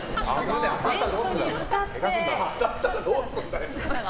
当たったらどうすんだよ。